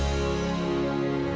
hanya akan kemenangan dengan itu